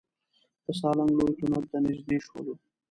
د سالنګ لوی تونل ته نزدې شولو.